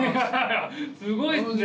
すごいっすね。